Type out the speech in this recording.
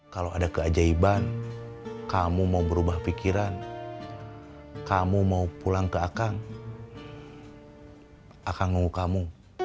kalau ada keajaiban kamu mau berubah pikiran kamu mau pulang ke akang akan ngomong kamu